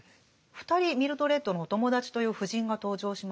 ２人ミルドレッドのお友達という夫人が登場しましたが。